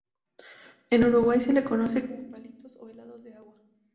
En Uruguay se los conoce como palitos o helados de agua.